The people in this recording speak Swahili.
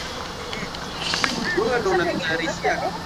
Tanzania idadi yake ya watu inakaribia milioni sitini na nane